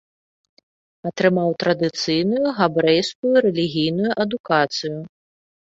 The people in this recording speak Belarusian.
Атрымаў традыцыйную габрэйскую рэлігійную адукацыю.